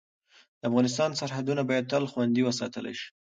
د افغانستان سرحدونه باید تل خوندي وساتل شي.